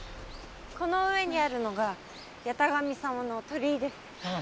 この上にあるのが八咫神様の鳥居です。